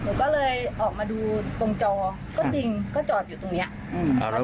หนูก็เลยออกมาดูตรงจอก็จริงก็จอดอยู่ตรงเนี้ยอืม